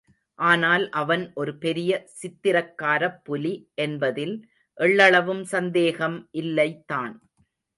ஆனால் அவன் ஒரு பெரிய சித்திரக்காரப் புலி என்பதில் எள்ளளவும் சந்தேகம் இல்லைதான்.